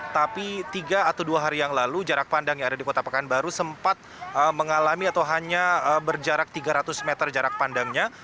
tapi tiga atau dua hari yang lalu jarak pandang yang ada di kota pekanbaru sempat mengalami atau hanya berjarak tiga ratus meter jarak pandangnya